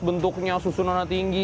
bentuknya susunan tinggi